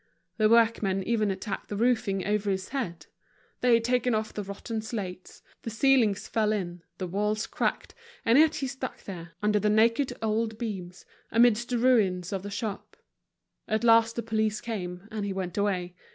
The workmen even attacked the roofing over his head. They had taken off the rotten slates, the ceilings fell in, the walls cracked, and yet he stuck there, under the naked old beams, amidst the ruins of the shop. At last the police came, and he went away.